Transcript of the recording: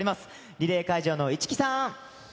リレー会場の市來さん。